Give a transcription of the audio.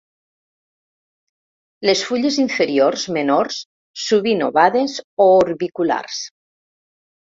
Les fulles inferiors, menors, sovint ovades o orbiculars.